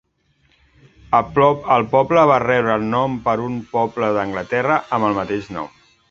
El poble va rebre el nom per un poble d'Anglaterra amb el mateix nom.